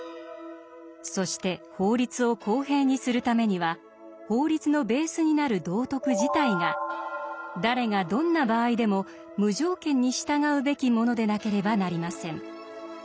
そして法律を公平にするためには法律のベースになる道徳自体が誰がどんな場合でも無条件にしたがうべきものでなければなりません。